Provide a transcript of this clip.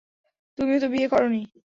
তুমিও তো বিয়ে করো নি?